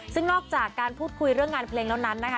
ซึ่งนอกจากการพูดคุยเรื่องการเพลงแล้ว